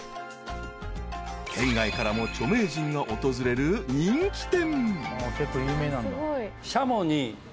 ［県外からも著名人が訪れる人気店］